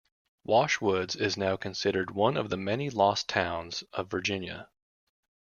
Wash Woods is now considered one of the many lost towns of Virginia.